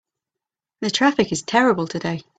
The traffic is terrible today.